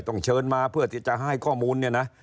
ต้องเชิญมาเพื่อจะให้ข้อมูลเนี่ยนะ